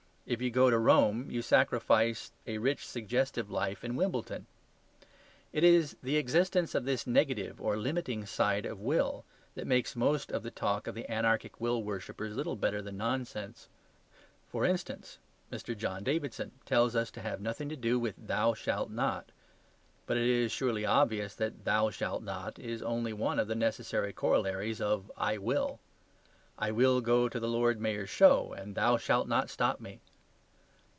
If you go to Rome, you sacrifice a rich suggestive life in Wimbledon. It is the existence of this negative or limiting side of will that makes most of the talk of the anarchic will worshippers little better than nonsense. For instance, Mr. John Davidson tells us to have nothing to do with "Thou shalt not"; but it is surely obvious that "Thou shalt not" is only one of the necessary corollaries of "I will." "I will go to the Lord Mayor's Show, and thou shalt not stop me."